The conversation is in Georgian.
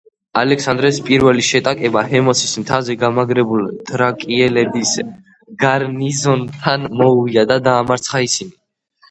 ალექსანდრეს პირველი შეტეკება, ჰემოსის მთაზე გამაგრებულ თრაკიელების გარნიზონთან მოუვიდა და დაამარცხა ისინი.